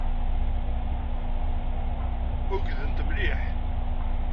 Ugdent mliḥ.